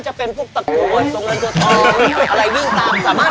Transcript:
แล้วเราก็ต้องกิจตนาการ